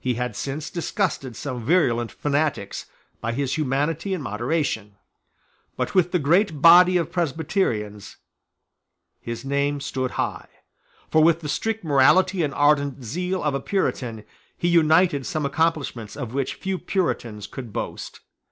He had since disgusted some virulent fanatics by his humanity and moderation. But with the great body of Presbyterians his name stood high. For with the strict morality and ardent zeal of a Puritan he united some accomplishments of which few Puritans could boast.